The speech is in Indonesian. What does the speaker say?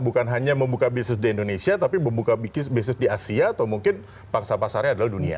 bukan hanya membuka bisnis di indonesia tapi membuka bisnis di asia atau mungkin pangsa pasarnya adalah dunia